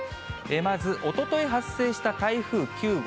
まずおととい発生した台風９号。